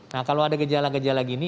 nah kalau ada gejala gejala gini